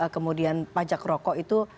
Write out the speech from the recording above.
kemudian pajak rokok itu